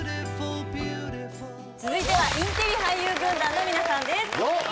続いてはインテリ俳優軍団の皆さんです。